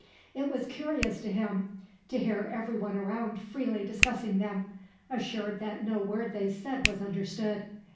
It was curious to him, to hear everyone around freely discussing them, assured that no word they said was understood.